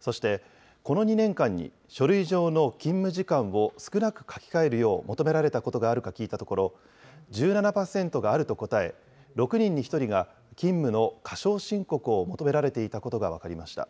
そして、この２年間に書類上の勤務時間を少なく書き換えるよう求められたことがあるか聞いたところ、１７％があると答え、６人に１人が勤務の過少申告を求められていたことが分かりました。